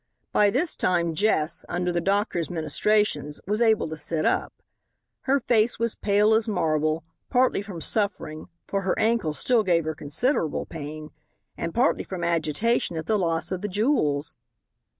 By this time, Jess, under the doctor's ministrations, was able to sit up. Her face was pale as marble, partly from suffering, for her ankle still gave her considerable pain, and partly from agitation at the loss of the jewels.